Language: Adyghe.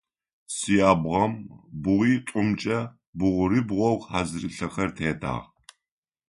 Цыябгъэм бгъуитӏумкӏэ бгъурыбгъоу хьазырылъэхэр тедагъ.